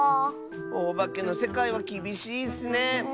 おばけのせかいはきびしいッスね。